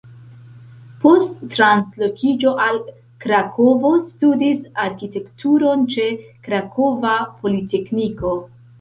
Post translokiĝo al Krakovo studis arkitekturon ĉe Krakova Politekniko.